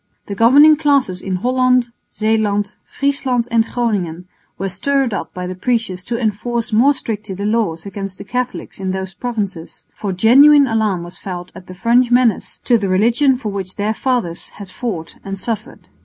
The governing classes in Holland, Zeeland, Friesland and Groningen were stirred up by the preachers to enforce more strictly the laws against the Catholics in those provinces, for genuine alarm was felt at the French menace to the religion for which their fathers had fought and suffered.